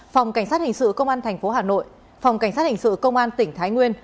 phòng cảnh sát hình sự công an tp hà nội phòng cảnh sát hình sự công an tỉnh thái nguyên